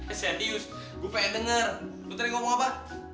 eh serius gue pengen denger lo tadi ngomong apa